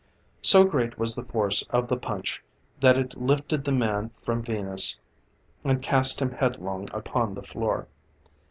So great was the force of the punch, that it lifted the man from Venus and cast him headlong upon the floor.